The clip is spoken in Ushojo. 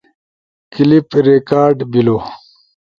کلپ ریکارڈ بیلو